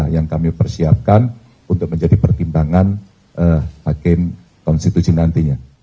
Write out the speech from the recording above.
yang kami persiapkan untuk menjadi pertimbangan hakim konstitusi nantinya